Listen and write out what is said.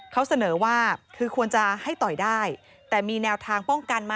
เขาเสนอว่าคือควรจะให้ต่อยได้แต่มีแนวทางป้องกันมา